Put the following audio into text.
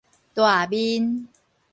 大面